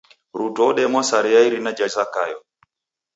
Ruto odemwa sare ya irina ja Zakayo.